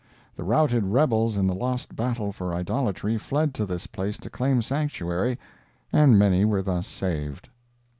The routed rebels in the lost battle for idolatry fled to this place to claim sanctuary, and many were thus saved.